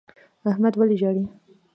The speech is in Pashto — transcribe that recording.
احمد ولي ژاړي؟